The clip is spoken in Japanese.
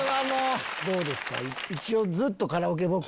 どうですか？